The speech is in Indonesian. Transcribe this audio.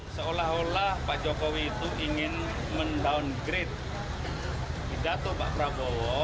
seolah olah pak jokowi itu ingin men downgrade pidato pak prabowo